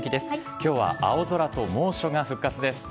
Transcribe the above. きょうは青空と猛暑が復活です。